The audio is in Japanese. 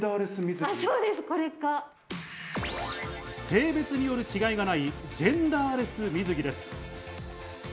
性別による違いがないジェンダーレス水着です。